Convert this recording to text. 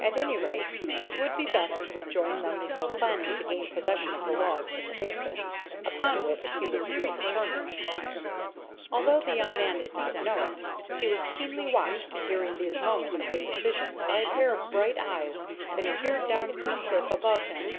At any rate, it would be best to rejoin them before planning to gain possession of the logs in the basin, upon which he was still determined. Although the young man did not know it, he was keenly watched during these moments of indecision by a pair of bright eyes that peered down from the cliff above him.